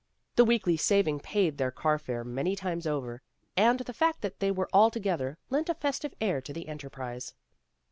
The weekly saving paid their car fare many times over, and the fact that they all were together lent a festive air to the enterprise.